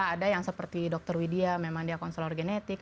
ada yang seperti dokter widya memang dia konselor genetik